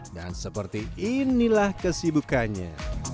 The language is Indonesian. dan seperti inilah kesibukannya